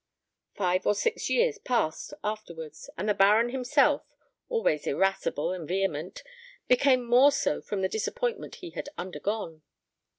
Five or six years passed afterwards, and the baron himself, always irascible and vehement, became more so from the disappointment he had undergone.